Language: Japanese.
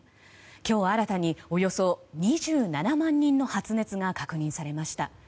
今日新たに、およそ２７万人の発熱が確認されました。